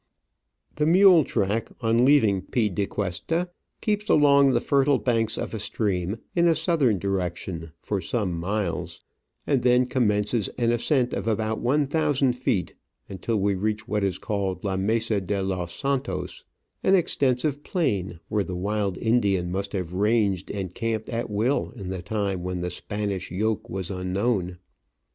The mule track, on leaving Pie de Cuesta, keeps along the fertile banks of a stream, in a southern direction, for some miles, and then commences an ascent of about one thousand feet, until we reach what is called La Mesa de los Santos, an extensive Digitized by VjOOQIC OF AN Orchid Hunter, i i 3 plain where tlie wild Indian must have ranged and camped at will in the time when the Spanish yoke was unknown.